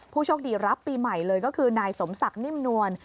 โชคดีรับปีใหม่เลยก็คือนายสมศักดิ์นิ่มนวล